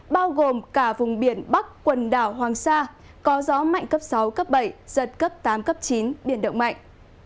bao gồm cả vùng biển bắc quần đảo hoàng sa có gió mạnh cấp sáu cấp bảy giật cấp tám cấp chín biển động mạnh